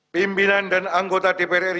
pimpinan dan anggota dpr ri